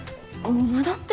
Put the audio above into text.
無駄って。